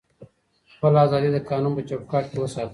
خپله ازادي د قانون په چوکاټ کي وساتئ.